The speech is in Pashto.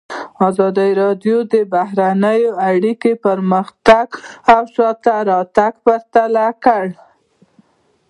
ازادي راډیو د بهرنۍ اړیکې پرمختګ او شاتګ پرتله کړی.